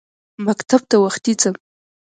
مکتب ته وختي ځم.